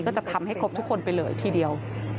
จะทำให้ครบทุกคนไปเลยทีเดียว